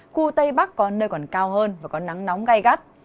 khu tây bắc có nơi còn cao hơn và có nắng nóng gai gắt